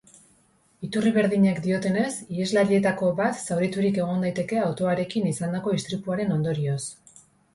Iturri berdinek diotenez, iheslarietako bat zauriturik egon daiteke autoarekin izandako istripuaren ondorioz.